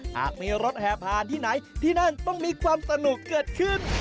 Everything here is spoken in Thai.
หากมีรถแห่ผ่านที่ไหนที่นั่นต้องมีความสนุกเกิดขึ้น